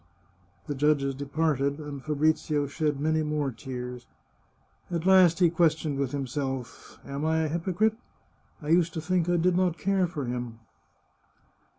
The judges departed, and Fabrizio shed many more tears. At last he questioned with himself :" Am I a hypo crite ? I used to think I did not care for him."